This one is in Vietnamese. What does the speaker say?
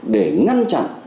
để ngăn chặn